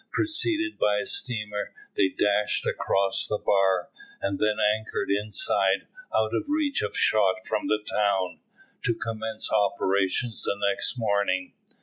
Preceded by a steamer, they dashed across the bar, and then anchored inside, out of reach of shot from the town, to commence operations the next morning.